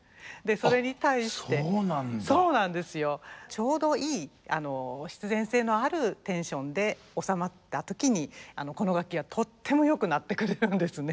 ちょうどいい必然性のあるテンションでおさまった時にこの楽器はとってもよく鳴ってくれるんですね。